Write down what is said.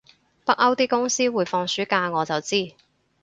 北歐啲公司會放暑假我就知